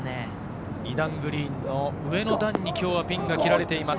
２段グリーンの上の段にピンが切られています。